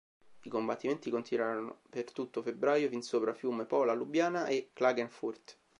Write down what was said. I combattimenti continuarono per tutto febbraio fin sopra Fiume, Pola, Lubiana e Klagenfurt.